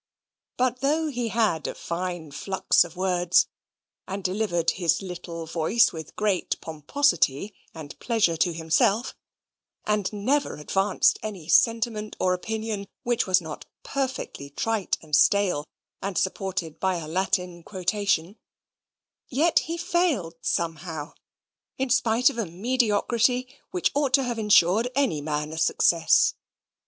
But though he had a fine flux of words, and delivered his little voice with great pomposity and pleasure to himself, and never advanced any sentiment or opinion which was not perfectly trite and stale, and supported by a Latin quotation; yet he failed somehow, in spite of a mediocrity which ought to have insured any man a success.